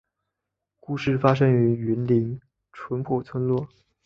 故事发生于云林的纯朴村落